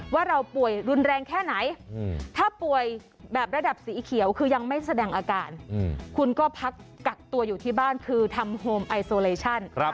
ว่าเราป่วยรุนแรงแค่ไหนถ้าป่วยแบบระดับสีเขียวคือยังไม่แสดงอาการคุณก็พักกักตัวอยู่ที่บ้านคือทำโฮมไอโซเลชั่น